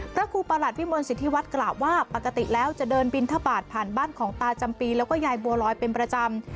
พระครูประหลัดวิมลสิทธิวัฒน์กล่าวว่าปกติแล้วจะเดินบินทบาทผ่านบ้านของตาจำปีแล้วก็ยายบัวลอยเป็นประจำ